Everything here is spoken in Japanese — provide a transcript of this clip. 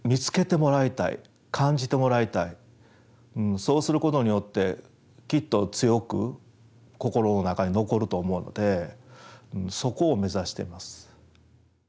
そうすることによってきっと強く心の中に残ると思うのでそこを目指しています。